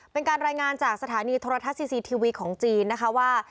เป็นการรายงานจากสถานีธรรท์ท่าบินติเซนสิทธิวีของจีนนะคะว่า